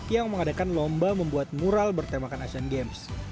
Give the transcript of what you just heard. yang mengadakan lomba membuat mural bertemakan asian games